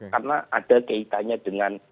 karena ada kaitannya dengan